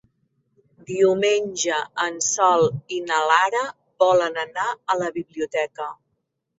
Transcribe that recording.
Diumenge en Sol i na Lara volen anar a la biblioteca.